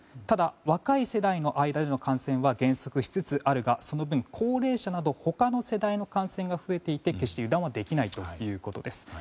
ただ、若い世代の間での感染は減速しつつあるがその分、高齢者など他の世代の感染が増えていて決して油断はできないということです。